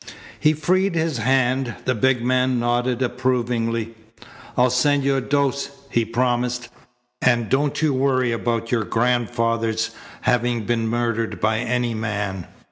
He freed his hand. The big man nodded approvingly. "I'll send you a dose," he promised, "and don't you worry about your grandfather's having been murdered by any man.